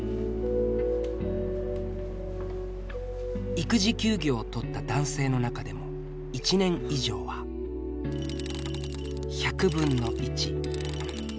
育児休業をとった男性の中でも１年以上は１００分の１。